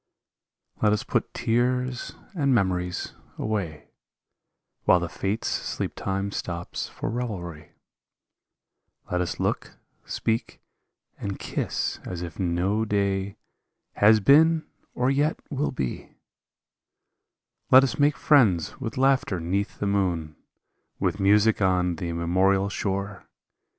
Let us put tears and memories away, While the fates sleep time stops for revelry ; Let us look, speak, and kiss as if no day Has been or yet will be ; Let us make friends with laughter 'neath the moon, With music on the immemorial shore.